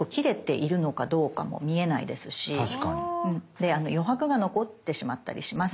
で余白が残ってしまったりします。